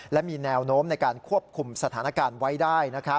และมีแนวโน้มในการควบคุมสถานการณ์ไว้ได้